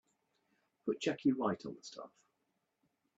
Put Jackie right on the staff.